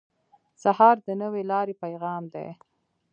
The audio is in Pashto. سهار د نوې لارې پیغام دی.